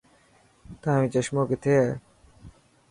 تايون چشمون ڪٿي هي.